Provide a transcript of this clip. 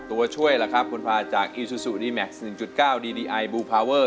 ตัวช่วยล่ะครับคุณพาจากอีซูซูดีแม็กซ์หนึ่งจุดเก้าดีดีไอบูลพาเวอร์